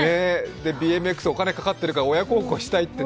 ＢＭＸ、お金かかってるから親孝行したいって